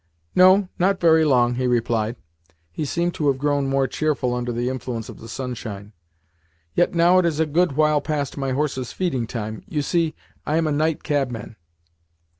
"No, not very long," he replied. He seemed to have grown more cheerful under the influence of the sunshine. "Yet now it is a good while past my horse's feeding time. You see, I am a night cabman."